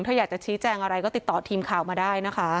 ถ้าอยากจะชี้แจงอะไรก็ติดต่อทีมข่าวมาได้นะคะ